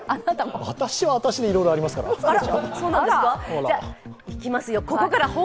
私は私でいろいろありますから。